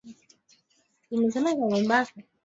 Mchezo ulikamilika mapema.